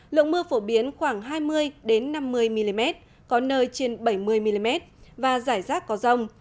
lượng mưa phổ biến khoảng hai mươi năm mươi mm có nơi trên bảy mươi mm và giải rác có rông